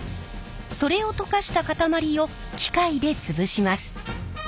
それを溶かした塊を機械で潰します。